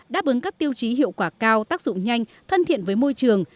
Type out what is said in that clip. đáp ứng các tiêu chí hiệu quả cao tác dụng nhanh thân thiện với môi trường